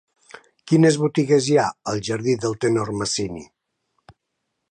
Quines botigues hi ha al jardí del Tenor Masini?